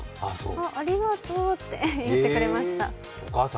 ありがとうって言ってくれました。